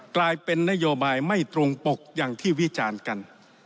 กลายเป็นนโยบายไม่ตรงปกอย่างที่วิจารณ์กัน